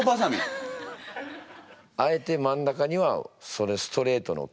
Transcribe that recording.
あえて真ん中にはそれストレートの。